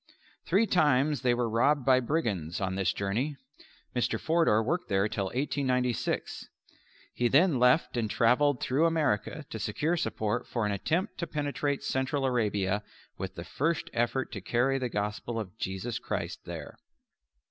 Three times they were robbed by brigands on this journey. Mr. Forder worked there till 1896. He then left and travelled through America to secure support for an attempt to penetrate Central Arabia with the first effort to carry the Gospel of Jesus Christ there.